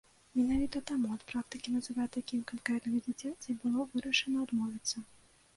Менавіта таму ад практыкі называць такім канкрэтнага дзіцяці было вырашана адмовіцца.